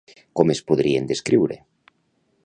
Com es podrien descriure?